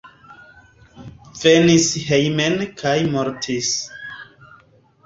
Venis hejmen kaj mortis.